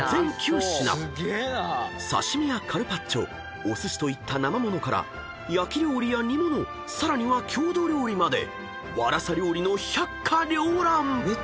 ［刺身やカルパッチョお寿司といった生ものから焼き料理や煮物さらには郷土料理までわらさ料理の百花繚乱！］